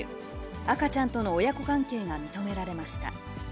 赤ちゃんとの親子関係が認められました。